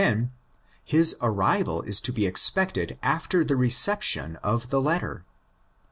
10, his arrival is to be expected after the reception of the letter.